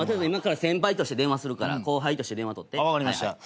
今から先輩として電話するから後輩として電話とって。